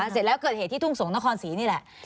เสร็จแล้วเกิดเหตุที่ทุ่งสงศนครศรีนี่แหละ